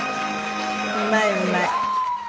うまいうまい。